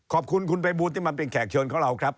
ขอบคุณคุณภัยบูลที่มาเป็นแขกเชิญของเราครับ